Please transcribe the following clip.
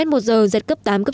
một giờ giật cấp tám cấp chín